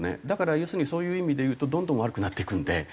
だから要するにそういう意味で言うとどんどん悪くなっていくので。